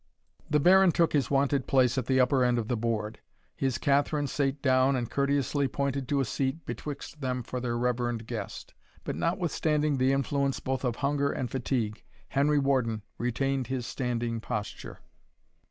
The Baron took his wonted place at the upper end of the board; his Catherine sate down, and courteously pointed to a seat betwixt them for their reverend guest. But notwithstanding the influence both of hunger and fatigue, Henry Warden retained his standing posture.